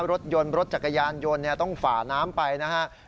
รถยนต์รถจักรยานยนต์ต้องฝ่าน้ำไปนะครับ